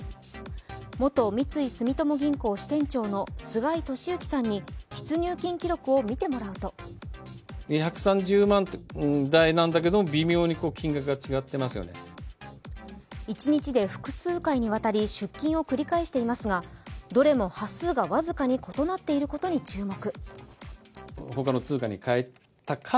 元三井住友銀行支店長の菅井敏之さんに出入金記録を見てもらうと一日で複数回にわたり出金を繰り返していますがどれも端数が僅かに異なっていることに注目。